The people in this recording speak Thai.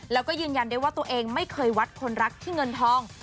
แล้วก็ยืนยันได้ว่าตัวเองไม่เคยวัดคนรักที่เงินทอง